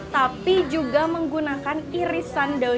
tapi juga menggunakan irisan daun